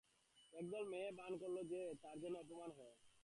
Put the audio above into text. একদল মেয়ে ভাণ করলে যে, তাদের যেন অপমান করা হচ্ছে।